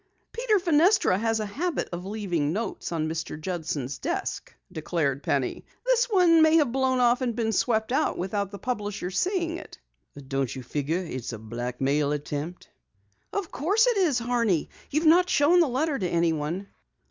"Peter Fenestra has a habit of leaving notes on Mr. Judson's desk," declared Penny. "This one may have blown off and been swept out without the publisher seeing it!" "Don't you figure it's a blackmail attempt?" "Of course it is, Horney. You've not shown the letter to anyone?"